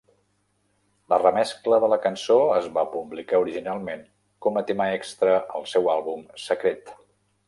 La remescla de la cançó es va publicar originalment com a tema extra al seu àlbum "secret".